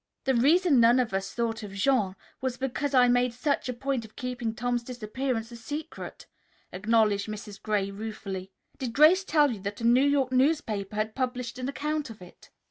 "The reason none of us thought of Jean was because I made such a point of keeping Tom's disappearance a secret," acknowledged Mrs. Gray ruefully. "Did Grace tell you that a New York newspaper had published an account of it?"